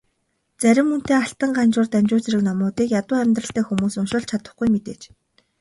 Зарим үнэтэй Алтан Ганжуур, Данжуур зэрэг номуудыг ядуу амьдралтай хүмүүс уншуулж чадахгүй нь мэдээж.